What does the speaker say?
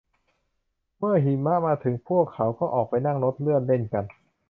เมื่อหิมะมาถึงพวกเขาก็ออกไปนั่งรถเลื่อนเล่นกัน